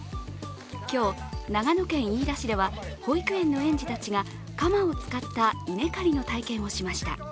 今日、長野県飯田市では、保育園の園児たちが、鎌を使った稲刈りの体験をしました。